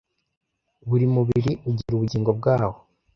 Buri mubiri ugira ubugingo bwawo